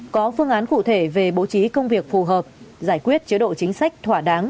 có phương án cụ thể về bố trí công việc phù hợp giải quyết chế độ chính sách thỏa đáng